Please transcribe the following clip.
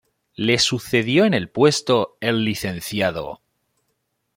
Lo sucedió en el puesto el lic.